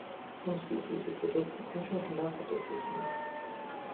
Some species exhibit sequential hermaphroditism.